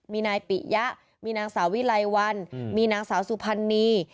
มีนายปิยะมีนางสาววิไลวันมีนางสาวสุพรรณี